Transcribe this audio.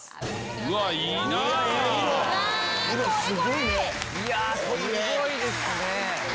すごいですね！